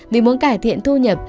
vì muốn cải thiện thu nhập